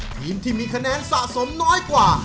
ทีมที่มีคะแนนสะสมน้อยกว่า